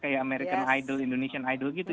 kayak american idol indonesian idol gitu